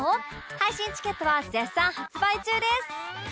配信チケットは絶賛発売中です